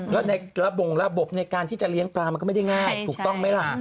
แล้วในระบงระบบในการที่จะเลี้ยงปลามันก็ไม่ได้ง่ายถูกต้องไหมล่ะ